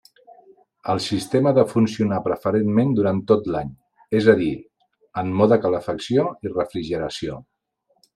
El sistema ha de funcionar preferentment durant tot l'any, és a dir, en mode calefacció i refrigeració.